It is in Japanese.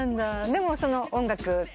でもその音楽。